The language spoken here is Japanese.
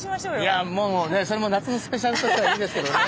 いやもうねそれも夏のスペシャルとしてはいいんですけどね。